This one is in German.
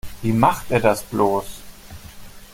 Wie macht er das bloß?